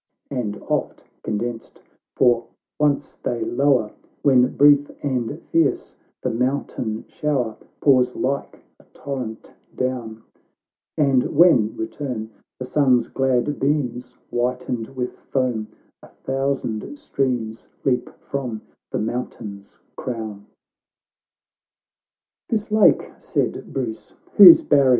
And oft, condensed, at once they lower, "When, brief and fierce, the mountain shower Pours like a torrent down, And when return the sun's glad beams, "Whitened with foam a thousand streams Leap from the mountain's crown. XVI "This lake," said Bruce, '"whose barrier.